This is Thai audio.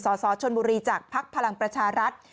สชนบุรีจากพลังประชารัฐ